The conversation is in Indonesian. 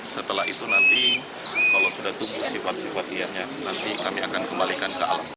setelah itu nanti kalau sudah tumbuh sifat sifat liarnya nanti kami akan kembalikan ke alam